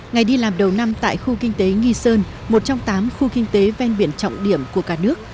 ngày đi làm đầu năm tại khu kinh tế nghi sơn một trong tám khu kinh tế ven biển trọng điểm của cả nước